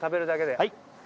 はい。